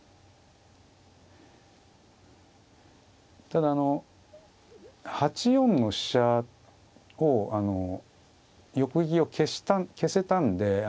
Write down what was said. ただあの８四の飛車を横利きを消せたんで。